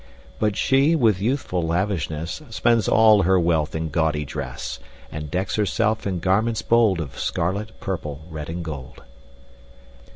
But she, with youthful lavishness, Spends all her wealth in gaudy dress, And decks herself in garments bold Of scarlet, purple, red, and gold.